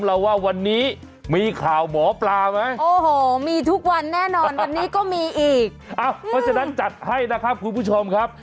แน่นอนวันนี้ก็มีอีกอ๋อเพราะฉะนั้นจัดให้นะครับคุณผู้ชมครับ